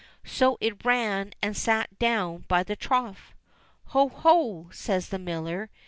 So in it ran and sate down by the trough. "Ho, ho!" says the miller.